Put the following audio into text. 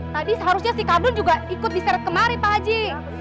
tadi seharusnya si kabun juga ikut diseret kemari pak haji